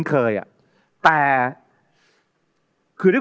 สวัสดีครับ